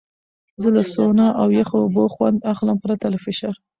زه له سونا او یخو اوبو خوند اخلم، پرته له فشار.